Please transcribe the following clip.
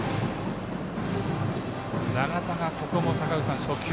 長田がここも初球。